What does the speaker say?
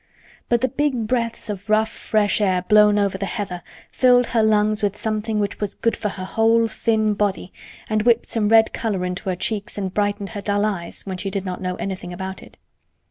But the big breaths of rough fresh air blown over the heather filled her lungs with something which was good for her whole thin body and whipped some red color into her cheeks and brightened her dull eyes when she did not know anything about it.